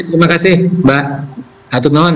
terima kasih mbak atuk noon